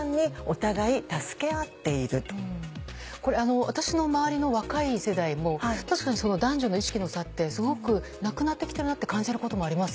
これ私の周りの若い世代も確かに男女の意識の差ってすごくなくなってきてるなって感じることもあります。